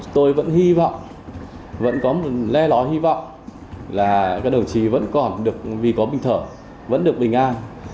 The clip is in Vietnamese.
tôi vẫn hy vọng vẫn có một le ló hy vọng là các đồng chí vẫn còn được vì có bình thở vẫn được bình an